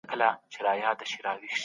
څوک چي لولي هغه خپل نظر لري.